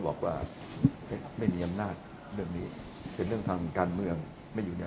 มันควรจะเรียบร้อยแล้วไม่มีปัญหาก่อนที่จะมีการเลือกตั้งแต่แต่การเลือกตั้งพรางนี้เนี่ย